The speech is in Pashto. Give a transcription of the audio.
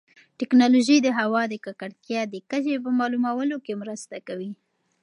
ټیکنالوژي د هوا د ککړتیا د کچې په معلومولو کې مرسته کوي.